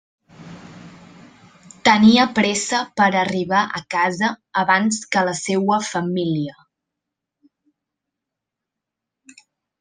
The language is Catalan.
Tenia pressa per arribar a casa abans que la seua família.